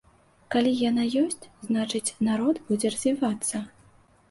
Калі яна ёсць, значыць, народ будзе развівацца.